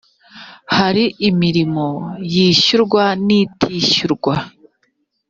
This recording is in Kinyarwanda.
hari imirimo yishyurwan’itishyurwa